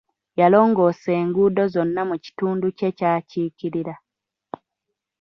Yalongoosa enguudo zonna mu kitundu kye ky'akiikirira.